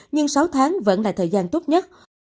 nhưng sáu tháng vẫn là thời gian tốt nhất